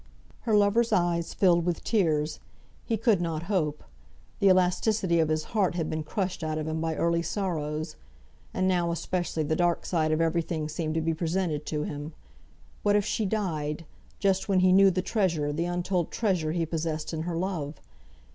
Her lover's eyes filled with tears. He could not hope. The elasticity of his heart had been crushed out of him by early sorrows; and now, especially, the dark side of every thing seemed to be presented to him. What if she died, just when he knew the treasure, the untold treasure he possessed in her love!